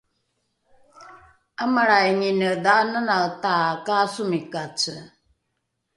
’amalraingine dha’ananaeta kaasomikace